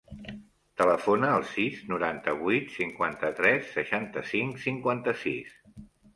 Telefona al sis, noranta-vuit, cinquanta-tres, seixanta-cinc, cinquanta-sis.